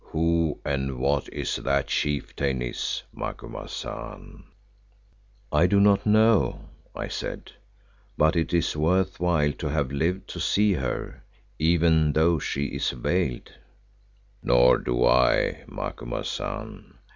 Who and what is that chieftainess, Macumazahn?" "I do not know," I said, "but it is worth while to have lived to see her, even though she be veiled." "Nor do I, Macumazahn.